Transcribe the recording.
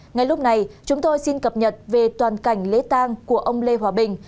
ngay lúc này chúng tôi xin cập nhật về toàn cảnh lễ tang của ông lê hòa bình